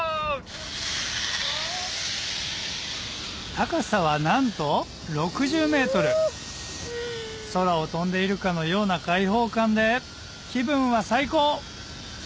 高さはなんと６０ｍ空を飛んでいるかのような開放感で気分は最高！